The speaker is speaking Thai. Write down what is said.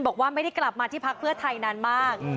บอกว่าไม่ได้กลับมาที่พักเพื่อไทยนานมาก